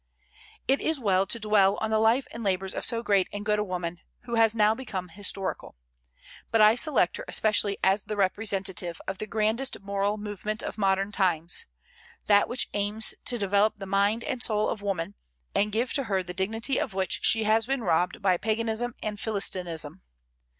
It is well to dwell on the life and labors of so great and good a woman, who has now become historical. But I select her especially as the representative of the grandest moral movement of modern times, that which aims to develop the mind and soul of woman, and give to her the dignity of which she has been robbed by paganism and "philistinism."